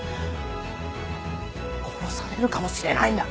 殺されるかもしれないんだ。